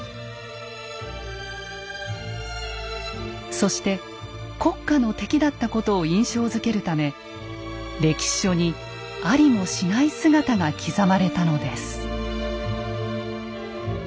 そして「国家の敵」だったことを印象づけるため歴史書にありもしない姿が刻まれたのです。